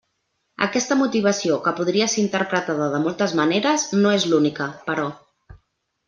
Aquesta motivació, que podria ser interpretada de moltes maneres, no és l'única, però.